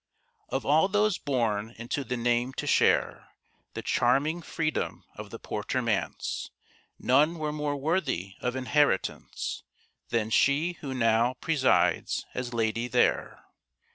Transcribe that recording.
Of all those born into the name to share The charming freedom of the Porter Manse, None were more worthy of inheritance Than she who now presides as lady there.